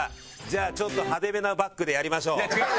じゃあちょっと派手めなバックでやりましょう。